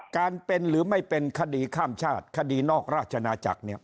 การเป็นหรือไม่เป็นคดีข้ามชาติคดีนอกราชนาจักรเนี่ย